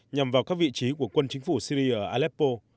nhằm vào các vị trí của quân chính phủ syri ở aleppo